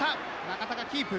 中田がキープ。